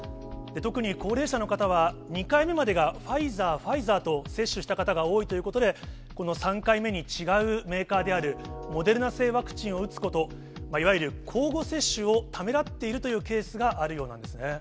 特に高齢者の方は、２回目までがファイザー、ファイザーと接種した方が多いということで、この３回目に違うメーカーであるモデルナ製ワクチンを打つこと、いわゆる交互接種をためらっているというケースがあるようなんですね。